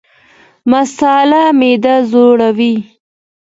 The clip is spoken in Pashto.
مساله معده ځوروي